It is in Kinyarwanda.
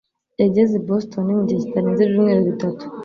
yageze i Boston mu gihe kitarenze ibyumweru bitatu